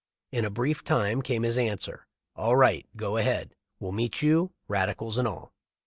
In a brief time came his answer : "All right ; go ahead. Will meet you — radicals and all."